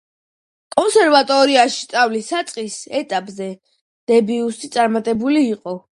კონსერვატორიაში სწავლის საწყის ეტაპზე დებიუსი წარმატებული იყო.